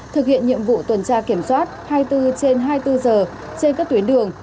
thực hiện nhiệm vụ tuần tra kiểm soát hai mươi bốn trên hai mươi bốn giờ trên các tuyến đường